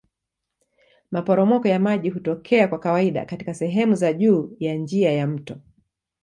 Maporomoko ya maji hutokea kwa kawaida katika sehemu za juu ya njia ya mto.